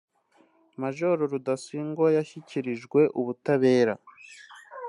Major Rudasingwa yashyikirijwe ubutabera